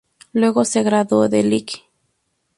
Luego se graduó de Lic.